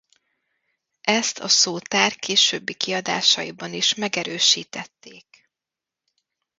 Ezt a szótár későbbi kiadásaiban is megerősítették.